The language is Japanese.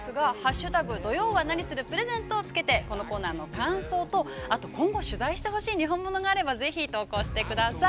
応募方法ですが、「＃土曜はナニするプレゼント」をつけて、このコーナーの感想とあと今後取材してほしいにほんものがあればぜひ、投稿してください。